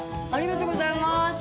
ありがとうございます。